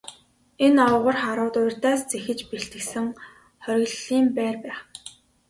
Энэ овгор харууд урьдаас зэхэж бэлтгэсэн хориглолтын байр байх нь.